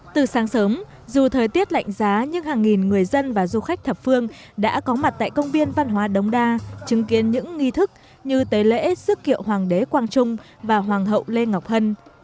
từ sáng sớm dù thời tiết lạnh giá nhưng hàng nghìn người dân và du khách thập phương đã có mặt tại công viên văn hóa đống đa chứng kiến những nghi thức như tế lễ sức kiệu hoàng đế quang trung và hoàng hậu lê ngọc hân